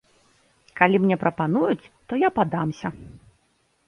Калі мне прапануюць, то я падамся!